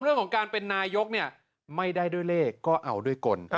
เรื่องของการเป็นนายกเนี่ยไม่ได้ด้วยเลขก็เอาด้วยกล